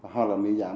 hoặc là miễn giảm